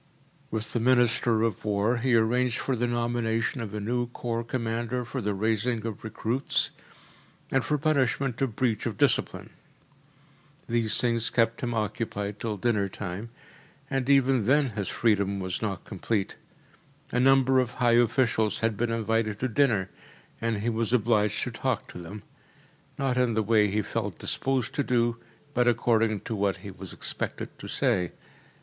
With the Minister of War he arranged for the nomination of a new Corps Commander for the raising of recruits, and for punishment of breach of discipline. These things kept him occupied till dinner time, and even then his freedom was not complete. A number of high officials had been invited to dinner, and he was obliged to talk to them: not in the way he felt disposed to do, but according to what he was expected to say.